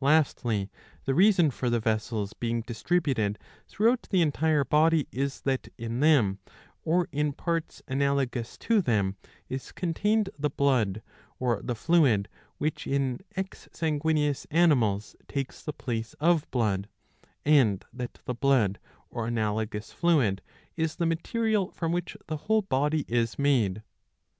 Lastly, the reason for the vessels being distributed throughout the entire body is that in them, or in parts analogous to them, is contained the blood, or the fluid which in ex sanguineous animals takes the place of blood, and that the blood or analogous fluid is the material from which the whole body is made.